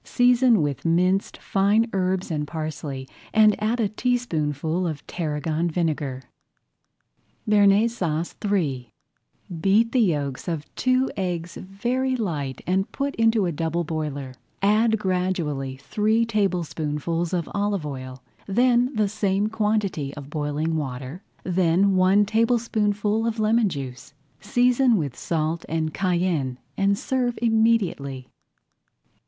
Season with minced fine herbs and parsley and add a teaspoonful of tarragon vinegar. BEARNAISE SAUCE III Beat the yolks of two eggs very light [Page 17] and put into a double boiler. Add gradually three tablespoonfuls of olive oil, then the same quantity of boiling water, then one tablespoonful of lemon juice. Season with salt and cayenne and serve immediately.